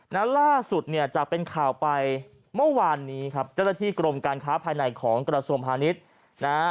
แล้วล่าสุดจะเป็นข่าวไปเมื่อวารนี้ครับก็ได้ที่กรมการค้าภายในของกระทรวมภาณิชย์นะฮะ